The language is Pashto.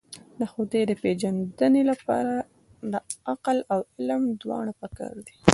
د خدای د پېژندنې لپاره عقل او علم دواړه پکار دي.